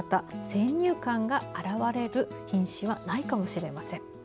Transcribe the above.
先入観が表れる品詞はないかもしれません。